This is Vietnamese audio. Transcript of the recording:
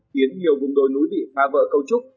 khiến nhiều vùng đồi núi bị phá vỡ cấu trúc